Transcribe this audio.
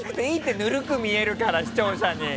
ぬるく見えるから、視聴者に。